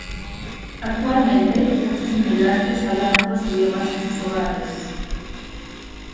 Actualmente, muchos inmigrantes hablan otros idiomas en sus hogares.